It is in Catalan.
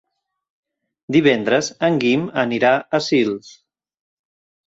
Divendres en Guim anirà a Sils.